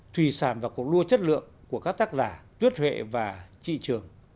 thủy sản và cuộc nuôi chất lượng của các tác giả tuyết huệ và trị trường